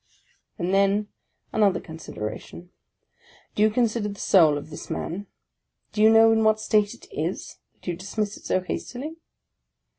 And then another consideration. Do you consider the soul of this man? Do you know in what state it is, that you dis miss it so hastily?